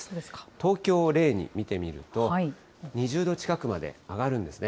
東京を例に見てみると、２０度近くまで上がるんですね。